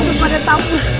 udah pada tapus